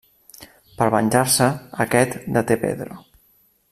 Per venjar-se, aquest deté Pedro.